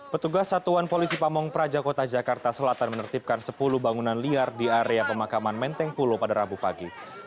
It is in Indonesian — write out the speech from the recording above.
petugas satuan polisi pamung prajakota jakarta selatan menertibkan sepuluh bangunan liar di area pemakaman menteng pulo pada rabu pagi